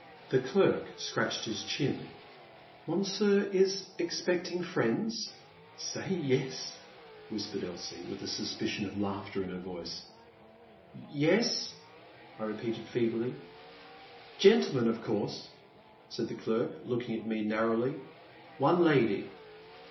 The clerk scratched his chin. ''Monsieur is expecting friends ?392 The Man at the Next Table. Say yes," whispered Elsie, with a suspicion of laughter in her voice. Yes,'* I repeated feebly. Gentlemen of course ?" said the derk look ing at me narrowly. '•One lady.'